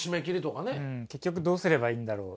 結局どうすればいいんだろう。